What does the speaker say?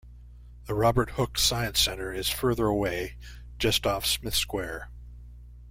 The Robert Hooke Science Centre is further away, just off Smith Square.